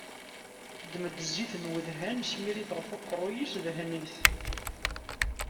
Ddem-d zzit n wedhan, smir-itt ɣef uqerru-is, dhen-it.